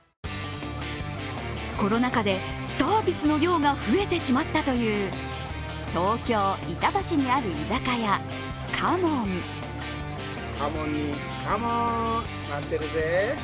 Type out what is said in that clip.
コロナ禍でサービスの量が増えてしまったという東京・板橋にある居酒屋、花門。